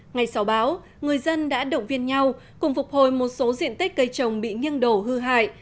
ngày sau bão người dân đã động viên nhau cùng phục hồi một số diện tích cây trồng bị nghiêng đổ hư hại